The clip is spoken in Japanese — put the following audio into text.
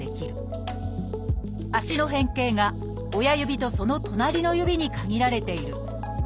足の変形が親指とそのとなりの指に限られている。